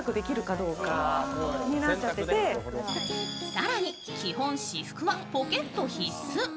更に基本、私服はポケット必須。